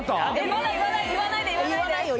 まだ言わないで言わないで言わないよ